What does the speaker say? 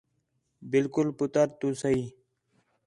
بالکل پُتر تو صحیح